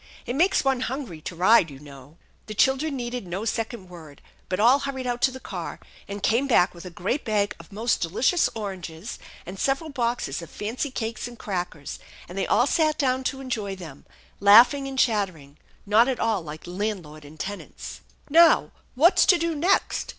It makes one hungry to ride, you know." The children needed no second word, but all hurried out to the car, and came back with a great bag of most deliciouu oranges and several boxes of fancy cakes and crackers; and they all sat down to enjoy them, laughing and chattering^ opt at all like landlord and tenants. 110 THE ENCHANTED BARN " Now what's to do next?